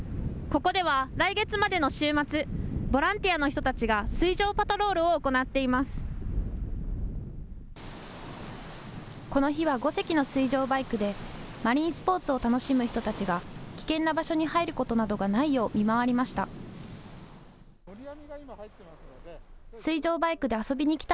この日は５隻の水上バイクでマリンスポーツを楽しむ人たちが危険な場所に入ることなどがないよう見回りました。